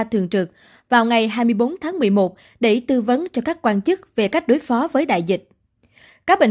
thường trực vào ngày hai mươi bốn tháng một mươi một để tư vấn cho các quan chức về cách đối phó với đại dịch các bệnh